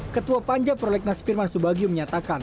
ketua panja prolegnas firman subagio menyatakan